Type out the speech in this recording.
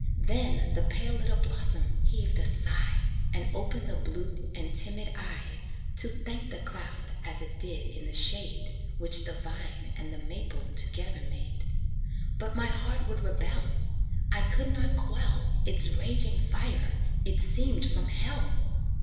Then the pale little blossom heaved a sigh, And opened a blue and timid eye To thank the cloud as it did in the shade, Which the vine and the maple together made; But my heart would rebel; I could not quell Its raging fire it seemed from hell.